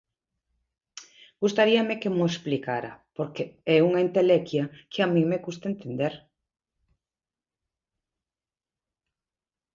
Gustaríame que mo explicara, porque é unha entelequia que a min me custa entender.